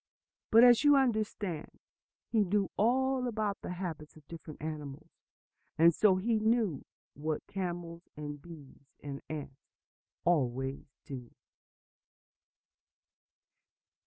But, as you understand, he knew all about the habits of different animals; and so he knew what camels and bees and ants always do.